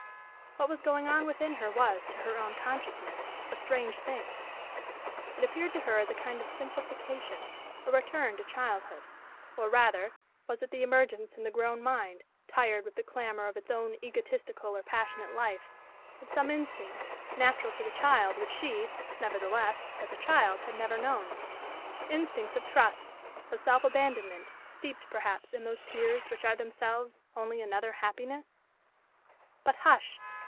What was going on within her was, to her own consciousness, a strange thing. It appeared to her as a kind of simplification, a return to childhood; or, rather, was it the emergence in the grown mind, tired with the clamor of its own egotistical or passionate life, of some instincts, natural to the child, which she, nevertheless, as a child had never known; instincts of trust, of self abandonment, steeped, perhaps, in those tears which are themselves only another happiness?... But hush!